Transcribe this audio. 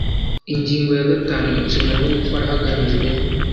Ingingo ya gatanu Inshingano yo gukora hagamijwe